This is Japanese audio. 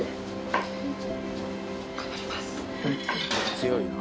強いな。